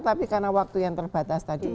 tapi karena waktu yang terbatas tadi